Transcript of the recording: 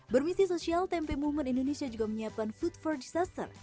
bermisi sosial tempe movement indonesia juga menyiapkan food for disaster